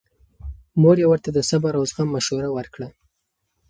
مور یې ورته د صبر او زغم مشوره ورکړه.